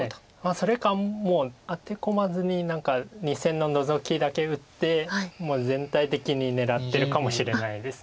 それかもうアテ込まずに何か２線のノゾキだけ打ってもう全体的に狙ってるかもしれないです。